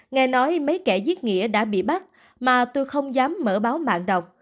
nghe nói mấy kẻ giết nghĩa đã bị bắt mà tôi không dám mở báo mạng đọc